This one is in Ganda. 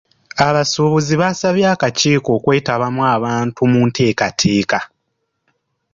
Abasuubuzi baasabye akakiiko okwetabamu abantu mu nteekateeka.